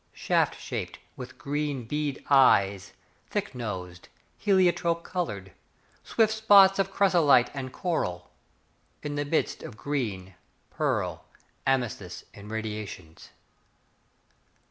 Shaft shaped, With green bead eyes; Thick nosed, Heliotrope coloured; Swift spots of chrysolite and coral; In the midst of green, pearl, amethyst irradiations.